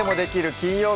金曜日」